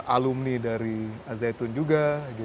alumni dari azzaytun juga